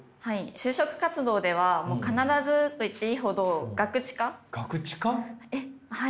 就職活動では必ずと言っていいほどえっはい。